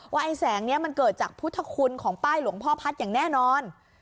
ไอ้แสงนี้มันเกิดจากพุทธคุณของป้ายหลวงพ่อพัฒน์อย่างแน่นอน